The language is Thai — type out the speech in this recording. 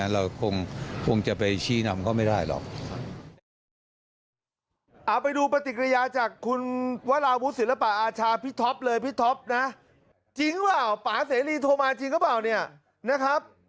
เราคงจะไปชี้นำเขาไม่ได้หรอก